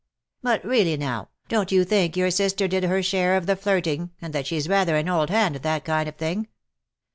"But really now, don't you think your sister did her share of the flirting, and that she's rather an old hand at that kind of thing?